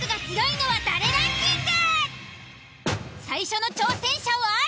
最初の挑戦者は？